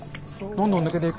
どんどん抜けていく。